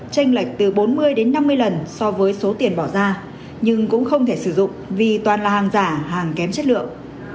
tranh lệch từ bốn mươi đến năm mươi lần so với số tiền bỏ ra nhưng cũng không thể sử dụng vì toàn là hàng giả hàng kém chất lượng